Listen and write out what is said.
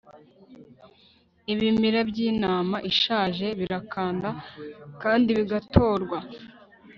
ibimina byimana ishaje birakanda kandi bigatorwa